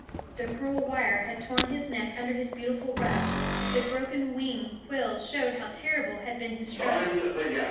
The cruel wire had torn his neck under his beautiful ruff; the broken wing quills showed how terrible had been his struggle.